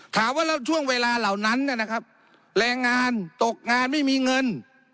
ถามว่าแล้วช่วงเวลาเหล่านั้นนะครับแรงงานตกงานไม่มีเงิน